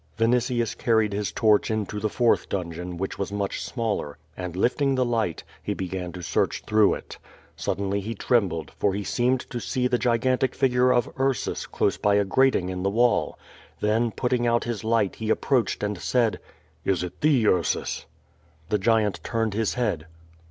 Vinitius carried his torch into the fourth dungeon, which was much smaller, and lifting the light, he began to search through it. Suddenly he trembled, for he seemed to see the gigantic figure of Ursus close by a grating in the wall Then putting out his light he approached and said: "Is it thee, Ursus?" QVO VADIS. 447 The giant turned his head.